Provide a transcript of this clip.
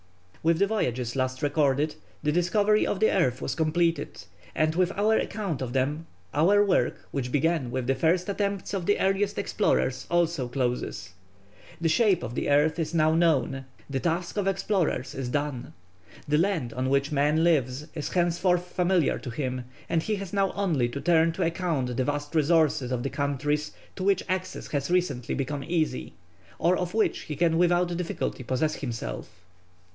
With the voyages last recorded the discovery of the earth was completed, and with our account of them our work, which began with the first attempts of the earliest explorers, also closes. The shape of the earth is now known, the task of explorers, is done. The land on which man lives is henceforth familiar to him, and he has now only to turn to account the vast resources of the countries to which access has recently become easy, or of which he can without difficulty possess himself.